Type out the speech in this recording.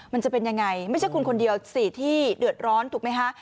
มันจะเป็นยังไงไม่ใช่คุณคนเดียวสิที่เดือดร้อนถูกไหมคะ